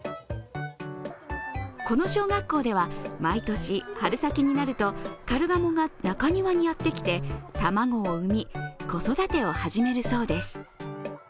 この小学校では毎年、春先になるとカルガモが中庭にやってきて卵を産み、子育てを始めるそうです。